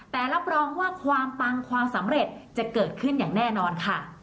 แต่รับรองว่าความปังความสำเร็จจะเกิดขึ้นอย่างแน่นอนค่ะ